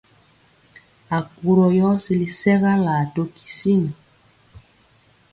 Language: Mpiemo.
Akurɔ yɔ sili sɛgalaa to kisin.